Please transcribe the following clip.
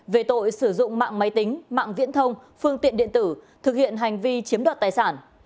về tội sử dụng mạng máy tính mạng viễn thông phương tiện điện tử thực hiện hành vi chiếm đoạt tài sản